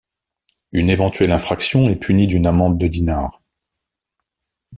Une éventuelle infraction est punie d'une amende de dinars.